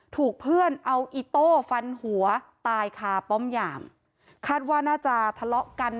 ถูกเพื่อนเอาอิโต้ฟันหัวตายคาป้อมยามคาดว่าน่าจะทะเลาะกัน